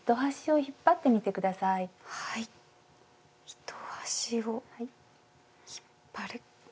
糸端を引っ張る。